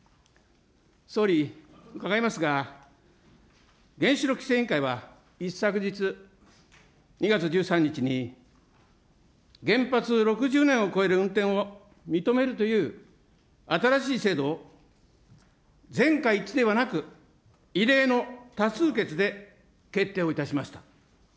総理、伺いますが、原子力規制委員会は、一昨日、２月１３日に原発６０年を超える運転を認めるという、新しい制度を、全会一致ではなく、異例の多数決で決定をいたしました。